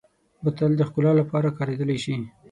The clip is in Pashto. بوتل د ښکلا لپاره کارېدلی شي.